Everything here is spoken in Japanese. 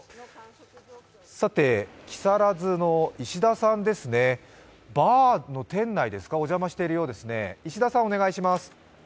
さて、木更津の石田さん、バーの店内ですか、お邪魔しているようですね。